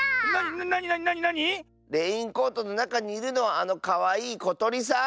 なになになに⁉レインコートのなかにいるのはあのかわいいことりさん！